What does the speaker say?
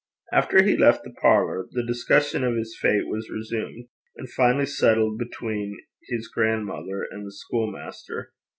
After he left the parlour, the discussion of his fate was resumed and finally settled between his grandmother and the school master.